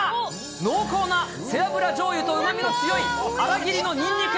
濃厚な背脂じょうゆとうまみの強い粗切りのにんにく。